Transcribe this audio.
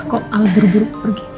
kok alat buruk buruk pergi